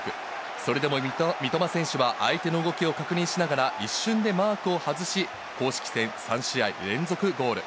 それでも三笘選手は相手の動きを確認しながら一瞬でマークを外し、公式戦３試合連続ゴール。